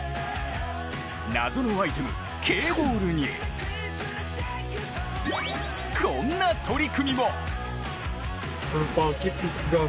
謎のアイテム、Ｋボールにこんな取り組みも。